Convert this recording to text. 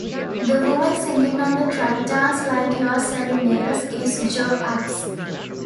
The woman singing on the track "Dance Like You're Selling Nails" is Jo Apps.